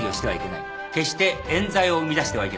決して冤罪を生み出してはいけない。